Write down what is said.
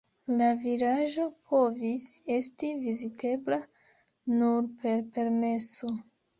La vilaĝo povis esti vizitebla nur per permeso.